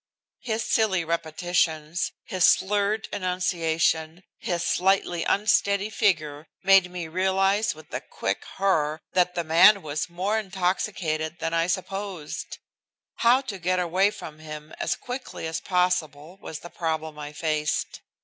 His silly repetitions, his slurred enunciation, his slightly unsteady figure made me realize with a quick horror that the man was more intoxicated than I supposed. How to get away from him as quickly as possible was the problem I faced.